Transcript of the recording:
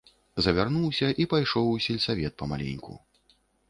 Завярнуўся й пайшоў у сельсавет памаленьку.